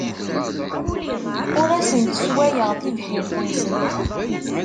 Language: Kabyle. Ur asent-sswayeɣ tibḥirt-nsent.